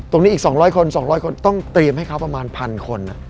อีก๒๐๐คน๒๐๐คนต้องเตรียมให้เขาประมาณ๑๐๐คน